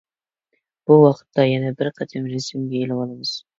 بۇ ۋاقىتتا يەنە بىر قېتىم رەسىمگە ئېلىۋالىمىز.